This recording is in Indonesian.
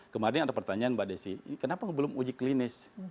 kemarin ada pertanyaan mbak desi kenapa belum uji klinis